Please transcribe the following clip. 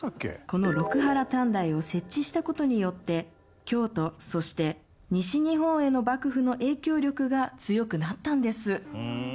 この六波羅探題を設置した事によって京都そして西日本への幕府の影響力が強くなったんです。